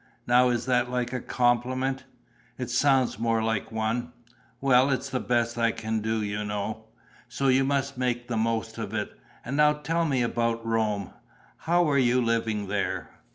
Now is that like a compliment?" "It sounds more like one." "Well, it's the best I can do, you know. So you must make the most of it. And now tell me about Rome. How were you living there?"